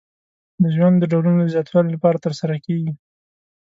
د ژوند د ډولونو د زیاتوالي لپاره ترسره کیږي.